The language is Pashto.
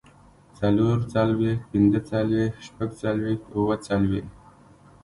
څلورڅلوېښت، پينځهڅلوېښت، شپږڅلوېښت، اووهڅلوېښت